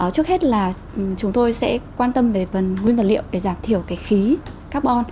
trước hết là chúng tôi sẽ quan tâm về phần nguyên vật liệu để giảm thiểu khí carbon